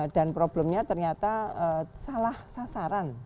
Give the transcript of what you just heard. dan problemnya ternyata salah sasaran